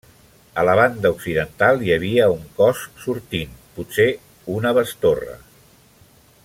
A la banda occidental hi havia un cos sortint, potser una bestorre.